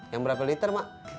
yang berapa liter mak